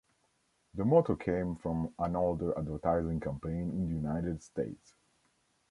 The motto came from an older advertising campaign in the United States.